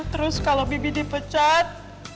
terus kalau bibi dipecat